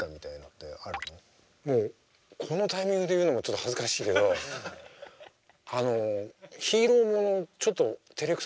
もうこのタイミングで言うのもちょっと恥ずかしいけどあのヒーローものちょっとてれくさかったのね。